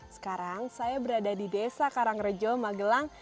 sekarang saya berada di desa karangrejo magelang